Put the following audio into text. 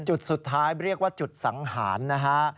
จุดสุดท้ายเรียกว่าจุดสังหารนะฮะ